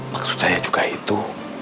maksud saya juga itu